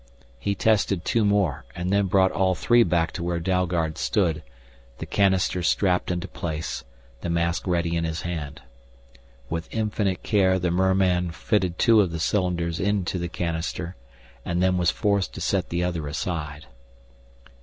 He tested two more and then brought all three back to where Dalgard stood, the canister strapped into place, the mask ready in his hand. With infinite care the merman fitted two of the cylinders into the canister and then was forced to set the other aside.